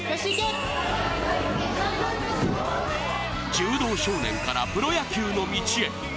柔道少年からプロ野球の道へ。